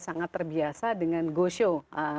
sangat terbiasa dengan go show